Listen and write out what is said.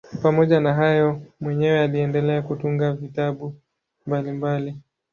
Pamoja na hayo mwenyewe aliendelea kutunga vitabu mbalimbali.